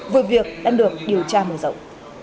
vượt việc đang được điều tra mùa rộng